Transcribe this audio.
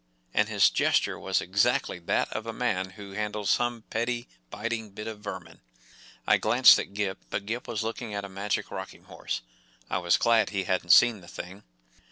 And his gesture was exactly that of a man who handles some petty biting bit of vermin. I glanced at (lip, but Gip was looking at a magic rocking horse. I was glad he hadn’t seen the thing.